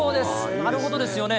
なるほどですよね。